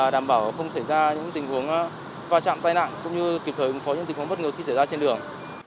đảm bảo không xảy ra những tình huống va chạm tai nạn cũng như kịp thời ứng phó những tình huống bất ngờ khi xảy ra trên đường